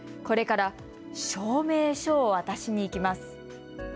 これから証明書を渡しに行きます。